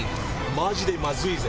マジでまずいぜ。